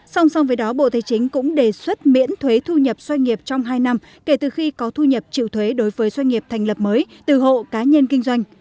song song với đó bộ thế chính cũng đề xuất miễn thuế thu nhập doanh nghiệp trong hai năm kể từ khi có thu nhập chịu thuế đối với doanh nghiệp thành lập mới từ hộ cá nhân kinh doanh